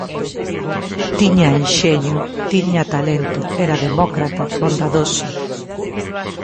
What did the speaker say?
Tiña enxeño, tiña talento, era demócrata, bondadoso.